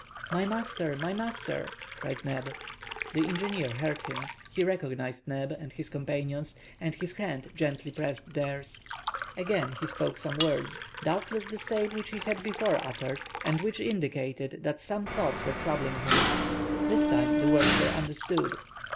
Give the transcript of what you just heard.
"My master! my master!" cried Neb. The engineer heard him. He recognized Neb and his companions, and his hand gently pressed theirs. Again he spoke some words—doubtless the same which he had before uttered, and which indicated that some thoughts were troubling him. This time the words were understood.